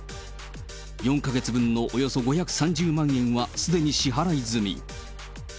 ４か月分のおよそ５３０万円はすでに支払い済み。